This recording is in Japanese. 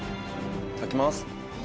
頂きます。